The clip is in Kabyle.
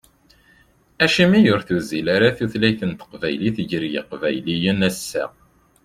Acimi ur tuzzil ara tutlayt n teqbaylit gar yiqbayliyen ass-a?